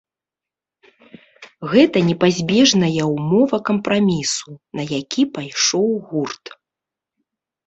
Гэта непазбежная ўмова кампрамісу, на які пайшоў гурт.